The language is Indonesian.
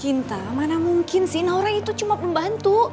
cinta mana mungkin sih naura itu cuma pembantu